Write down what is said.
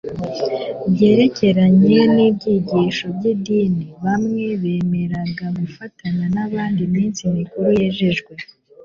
byerekeranye n'ibyigisho by'idini: bamwemereraga gufatanya n'abandi iminsi mikuru yejejwe